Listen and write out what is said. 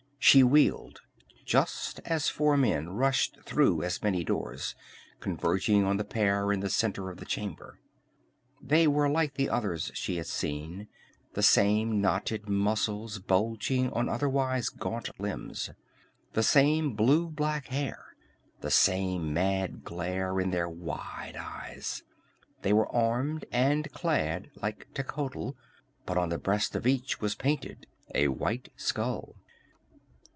She wheeled just as four men rushed through as many doors, converging on the pair in the center of the chamber. They were like the others she had seen, the same knotted muscles bulging on otherwise gaunt limbs, the same lank blue black hair, the same mad glare in their wide eyes. They were armed and clad like Techotl, but on the breast of each was painted a white skull.